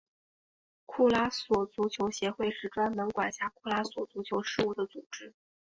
库拉索足球协会是专门管辖库拉索足球事务的组织。